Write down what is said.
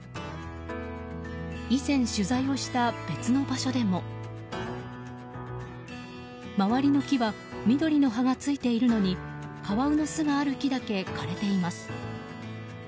以前、取材をした別の場所でも周りの木は緑の葉が付いているのにカワウの巣がある木だけ枯れています。